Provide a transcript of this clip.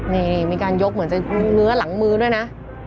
นี่มีการยกเหมือนจะเนื้อหลังมือด้วยนะ